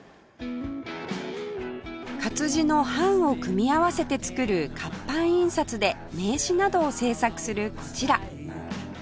活字の版を組み合わせて作る活版印刷で名刺などを製作するこちら